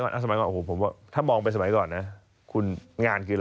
การทำงาน่านงาน